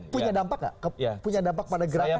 punya dampak nggak punya dampak pada gerakan